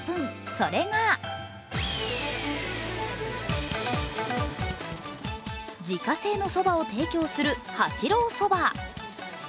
それが自家製のそばを提供する八郎そば。